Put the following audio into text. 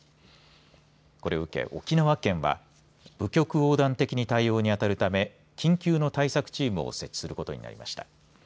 これを受け沖縄県は部局横断的に対応にあたるため緊急の対策チームを設置することになりました。